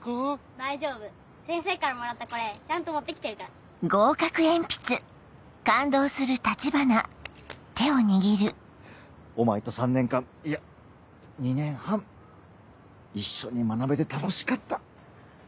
大丈夫先生からもらったこれちゃんと持って来てるから。お前と３年間いや２年半一緒に学べて楽しかった。